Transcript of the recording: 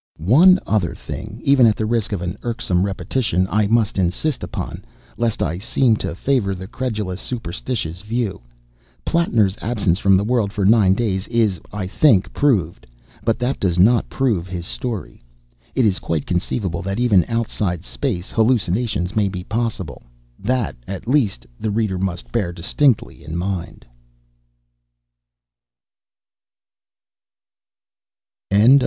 One other thing, even at the risk of an irksome repetition, I must insist upon, lest I seem to favour the credulous, superstitious view. Plattner's absence from the world for nine days is, I think, proved. But that does not prove his story. It is quite conceivable that even outside space hallucinations may be possible. That, at least, the reader must bear distinctly in mind.